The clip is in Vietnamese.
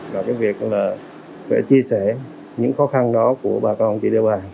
về việc chia sẻ những khó khăn đó của bà con chị đeo bà